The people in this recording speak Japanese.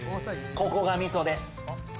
ここがミソです。